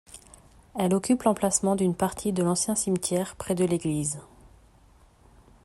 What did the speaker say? Elle occupe l'emplacement d'une partie de l'ancien cimetière près de l'église.